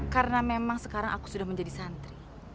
karena memang sekarang aku sudah menjadi santri